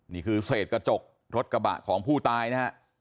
นี่คือเศษกระจกรถกระบะของผู้ตายนะฮะ